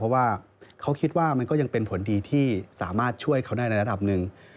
เพราะว่าเขาคิดว่ามันก็ยังเป็นผลดีที่สามารถช่วยเขาได้ในระดับหนึ่ง